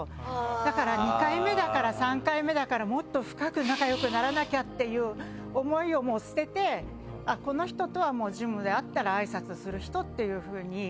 だから２回目だから３回目だからってもっと深く仲良くならなきゃっていう思いを、もう捨ててこの人とはジムで会ったらあいさつする人っていうふうに。